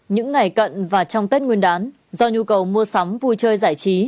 những ngày cận và trong tết nguyên đán do nhu cầu mua sắm vui chơi giải trí